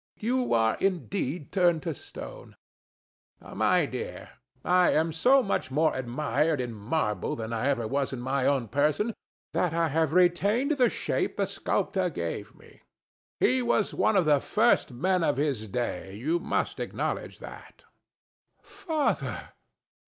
You are indeed turned to stone. THE STATUE. My dear: I am so much more admired in marble than I ever was in my own person that I have retained the shape the sculptor gave me. He was one of the first men of his day: you must acknowledge that. ANA. Father!